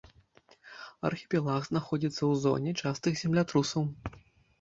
Архіпелаг знаходзіцца ў зоне частых землятрусаў.